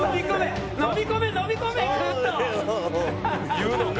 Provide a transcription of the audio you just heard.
言うのか？